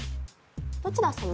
どちら様？